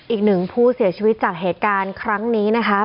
อีกหนึ่งผู้เสียชีวิตจากเหตุการณ์ครั้งนี้นะครับ